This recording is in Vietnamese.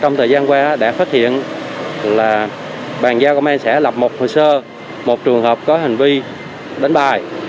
trong thời gian qua đã phát hiện là bàn giao công an xã lập một hồ sơ một trường hợp có hành vi đánh bài